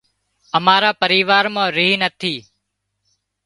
امارا پريوار مان ريهَه نٿِي